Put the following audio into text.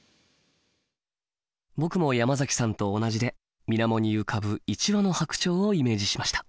僕もヤマザキさんと同じで水面に浮かぶ１羽の白鳥をイメージしました。